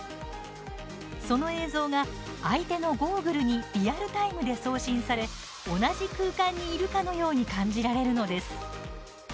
その映像が相手のゴーグルにリアルタイムで送信され同じ空間にいるかのように感じられるのです。